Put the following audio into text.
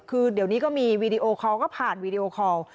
คือเดี๋ยวนี้ก็มีวีดีโอคอลก็ผ่านวีดีโอคอล